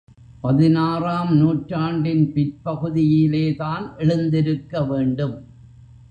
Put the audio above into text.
பதினாறாம் நூற்றாண்டின் பிற்பகுதியிலேதான் எழுந்திருக்க வேண்டும்.